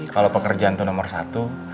kalau pekerjaan itu nomor satu